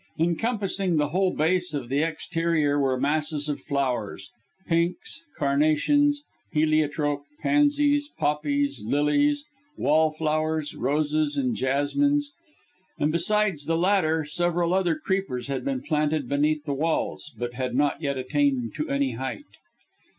Encompassing the whole base of the exterior were masses of flowers pinks, carnations, heliotrope, pansies, poppies, lilies, wallflowers, roses and jasmines; and besides the latter several other creepers had been planted beneath the walls, but had not yet attained to any height.